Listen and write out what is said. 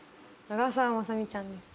長澤まさみちゃんです。